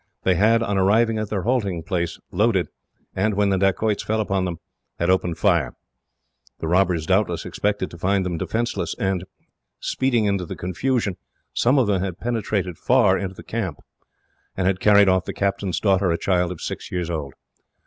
They had, on arriving at their halting place, loaded; and, when the dacoits fell upon them, had opened fire. The robbers doubtless expected to find them defenceless, and speedily fled. In the confusion, some of them had penetrated far into the camp, and had carried off the captain's daughter, a child of six years old.